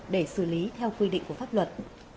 để xử lý theo quy định của pháp luật